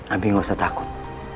abi gak usah takut